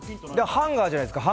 ハンガーじゃないですか？